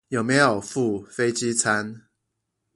有沒有附飛機餐